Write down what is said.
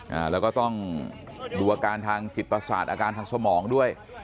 อ่าแล้วก็ต้องดูอาการทางจิตประสาทอาการทางสมองด้วย